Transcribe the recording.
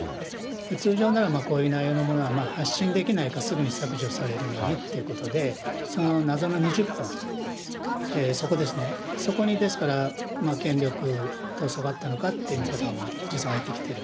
通常なら、こういう内容のものは発信できないか、すぐに削除されるのにっていうことで、その謎の２０分、そこですね、そこに、ですから権力闘争があったのかという見方が、実際入ってきている。